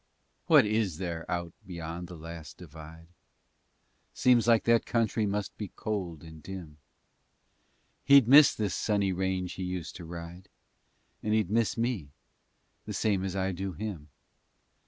What is there out beyond the last divide? Seems like that country must be cold and dim. He'd miss this sunny range he used to ride, And he'd miss me, the same as I do him.